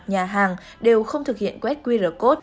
nhà hàng đều không thực hiện quét qr code